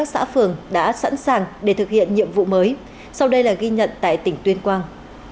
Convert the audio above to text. công an các xã phường đã sẵn sàng để thực hiện nhiệm vụ mới sau đây là ghi nhận tại tỉnh tuyên quang